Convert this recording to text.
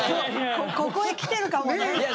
ここへ来てるかもね。